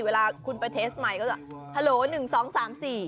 เวลาคุณไปเทสใหม่ก็จะฮัลโหลหนึ่งสองสามสี่